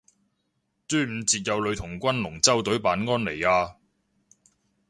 端午節有女童軍龍舟隊扮安妮亞